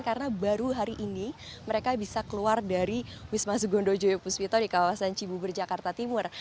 jadi itu hari ini mereka bisa keluar dari wisma sugondo joyo puspito di kawasan cibu berjakarta timur